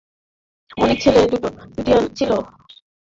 অনেক ছেলে জুটিয়াছিল, অপু আসিবার আগেই খেলা সাঙ্গ হইয়া গিয়াছে।